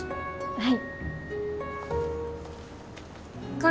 はい。